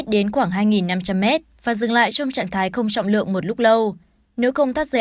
đến khoảng hai năm trăm linh m và dừng lại trong trạng thái không trọng lượng một lúc lâu nếu không thắt rơi